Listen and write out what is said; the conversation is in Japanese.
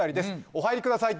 お入りください